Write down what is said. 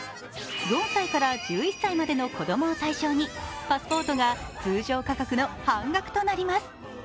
４歳から１１歳までの子供を対象にパスポートが通常価格の半額となります。